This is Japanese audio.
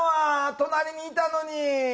隣にいたのに。